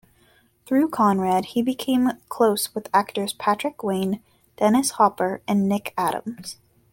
Through Conrad he became close with actors Patrick Wayne, Dennis Hopper and Nick Adams.